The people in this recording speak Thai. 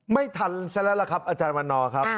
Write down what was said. ไม่ทันซะแล้วล่ะครับอาจารย์วันนอร์ครับ